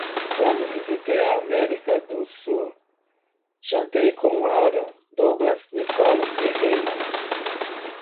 Quando visitei a América do Sul, jantei com Aaron, Douglas, Nicole e Raymond.